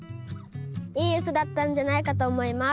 いいウソだったんじゃないかと思います。